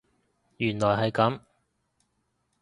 原來係咁